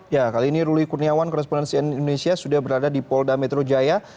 ya kali ini ruli kurniawan korespondensi indonesia sudah berada di polda metro jaya